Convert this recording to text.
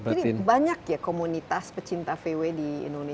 jadi banyak ya komunitas pecinta vw di indonesia